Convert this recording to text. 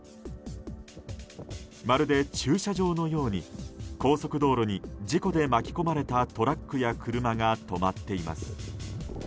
まるで駐車場のように高速道路に事故で巻き込まれたトラックや車が止まっています。